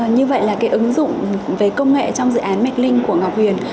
như vậy là cái ứng dụng về công nghệ trong dự án mekling của ngọc huyền